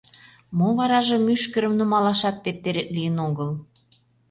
Мо вараже мӱшкырым нумалашат тептерет лийын огыл?